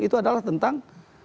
itu adalah tentang